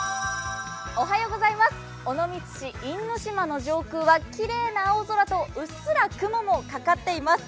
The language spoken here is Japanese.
尾道市因島の上空はきれいな青空とうっすら雲もかかっています。